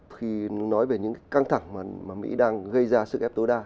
khi nói về những căng thẳng mà mỹ đang gây ra sức ép tối đa